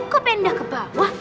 kok pindah ke bawah